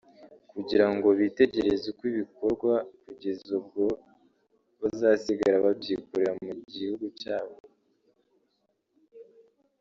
kugira ngo bitegereze uko bikorwa kugeza ubwo bazasigara babyikorera mu gihugu cyabo